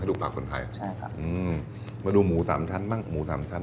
ดูปากคนไทยใช่ค่ะอืมมาดูหมูสามชั้นบ้างหมูสามชั้น